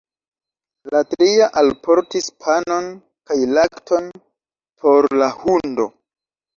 La tria alportis panon kaj lakton por la hundo.